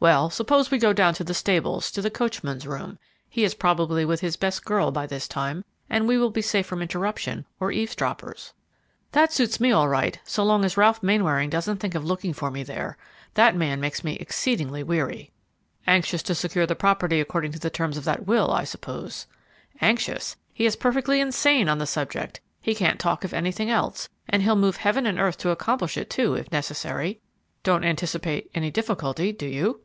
Well, suppose we go down to the stables, to the coachman's room; he is probably with his best girl by this time, and we will be safe from interruption or eavesdroppers." "That suits me all right so long as Ralph Mainwaring doesn't think of looking for me there. That man makes me exceedingly weary!" "Anxious to secure the property according to the terms of that will, I suppose." "Anxious! He is perfectly insane on the subject; he can't talk of anything else, and he'll move heaven and earth to accomplish it, too, if necessary." "Don't anticipate any difficulty, do you?"